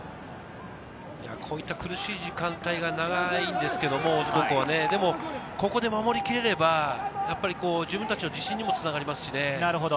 こういった苦しい時間帯が長いんですけれど大津高校は、ここで守りきれれば、自分たちの自信にもつながりますしね。